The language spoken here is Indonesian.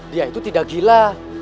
dia itu tidak gila